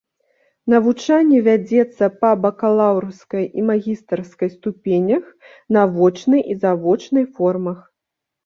Навучанне вядзецца па бакалаўрскай і магістарскай ступенях, на вочнай і завочнай формах.